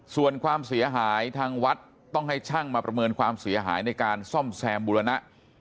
ส่วนความเสียหายทางวัดต้องให้ช่างมาประเมินความเสียหายในการซ่อมแซมบุรณะ